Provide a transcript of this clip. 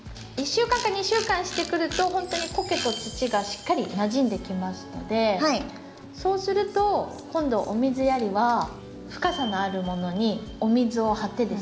１週間か２週間してくるとほんとにコケと土がしっかりなじんできますのでそうすると今度お水やりは深さのあるものにお水を張ってですね